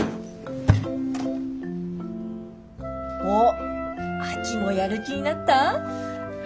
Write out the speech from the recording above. おっ亜紀もやる気になった？